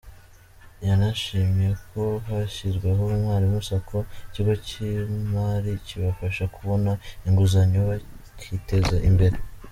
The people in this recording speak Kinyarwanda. Yanashimye ko hashyizweho Umwalimu Sacco, ikigo cy’imari kibafasha kubona inguzanyo bakiteza imbere.